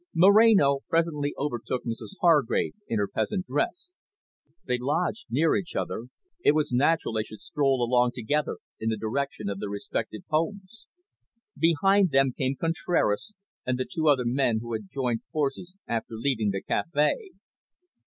Moreno presently overtook Mrs Hargrave, in her peasant dress. They lodged near each other; it was natural they should stroll along together in the direction of their respective homes. Behind them came Contraras, and the two other men who had joined forces after leaving the cafe.